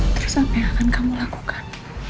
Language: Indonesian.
terus apa yang akan kamu lakukan